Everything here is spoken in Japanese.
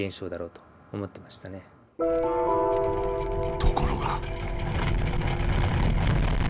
ところが。